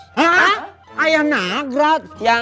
hah ayah nagraj